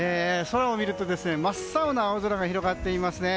空を見ると真っ青な青空が広がっています。